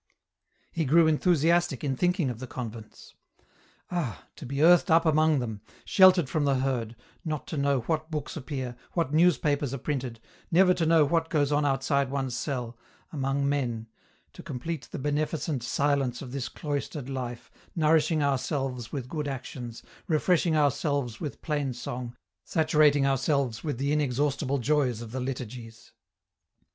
He grew enthusiastic in thinking of the convents. Ah ! to be earthed up among them, sheltered from the herd, not to know what books appear, what newspapers are printed, never to know what goes on outside one's cell, among men — to complete the beneficent silence of this cloistered life, nourishing ourselves with good actions, refreshing ourselves with plain song, saturating ourselves with the inexhaustible joys of the liturgies.